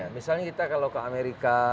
misalnya kita kalau ke amerika